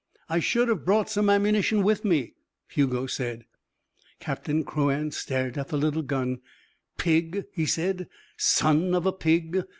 "I should have brought some ammunition with me," Hugo said. Captain Crouan stared at the little gun. "Pig," he said. "Son of a pig!